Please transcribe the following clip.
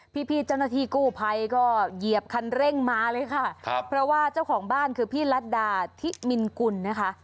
พี่พี่เจ้าหน้าที่กู้ภัยก็เหยียบคันเร่งมาเลยค่ะครับเพราะว่าเจ้าของบ้านคือพี่รัฐดาธิมินกุลนะคะ